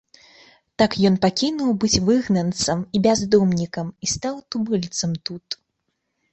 Так ён пакінуў быць выгнанцам і бяздомнікам і стаў тубыльцам тут.